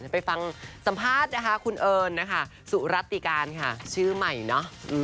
ไปฟังสัมภาษณ์คุณเอิญนะคะสุรติการค่ะชื่อใหม่เนอะ